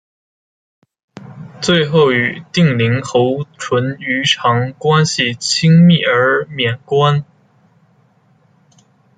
最后与定陵侯淳于长关系亲密而免官。